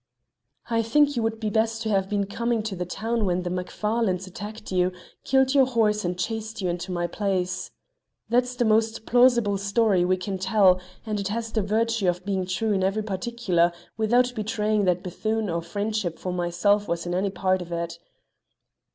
"I think you would be best to have been coming to the town when the Macfarlanes attacked you, killed your horse, and chased you into my place. That's the most plausible story we can tell, and it has the virtue of being true in every particular, without betraying that Bethune or friendship for myself was in any part of it."